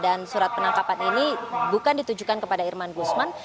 dan surat penangkapan ini bukan ditujukan kepada irman gusman